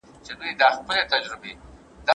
زه به سبا کالي وپرېولم؟